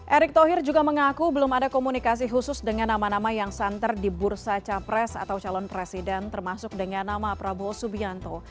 erick thohir juga mengaku belum ada komunikasi khusus dengan nama nama yang santer di bursa capres atau calon presiden termasuk dengan nama prabowo subianto